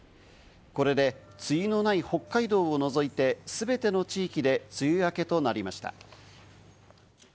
これで梅雨のない北海道を除いてすべての地域で梅雨明けとなりました。